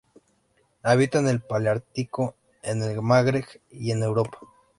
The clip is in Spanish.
Habita en el paleártico: en el Magreb y en Europa.